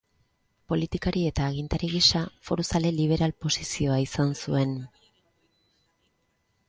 Politikari eta agintari gisa, foruzale liberal posizioa izan zuen.